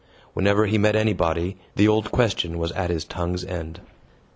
Whenever he met anybody, the old question was at his tongue's end.